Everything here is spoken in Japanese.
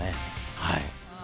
はい。